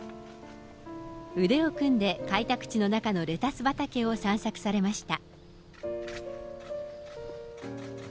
腕を組んで、開拓地の中のレタス畑を散策されました。